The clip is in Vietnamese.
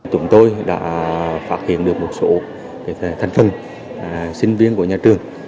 chúng tôi đã phát hiện được một số thành phần sinh viên của nhà trường